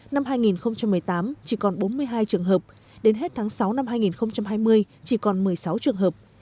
năm hai nghìn một mươi tám chỉ còn bốn mươi hai trường hợp đến hết tháng sáu năm hai nghìn hai mươi chỉ còn một mươi sáu trường hợp